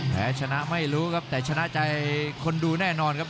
แถวชนะไม่รู้ครับแต่ชนะใจคนดูแนบ